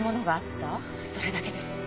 それだけです。